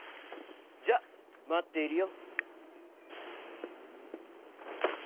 じゃあまっているよ」。